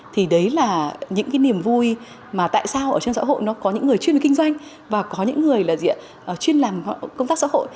thì đấy là những cái niềm vui mà tại sao ở trên xã hội nó có những người chuyên kinh doanh và có những người là diện chuyên làm công tác xã hội